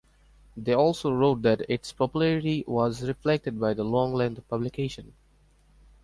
They also wrote that its popularity was reflected by the long length of publication.